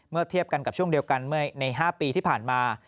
เทียบกันกับช่วงเดียวกันเมื่อใน๕ปีที่ผ่านมา